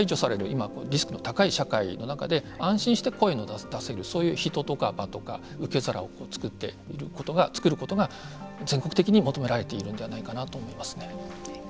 今リスクの高い社会の中で安心して声の出せるそういう人とか、場とか受け皿を作ることが全国的に求められているんじゃないかなと思いますね。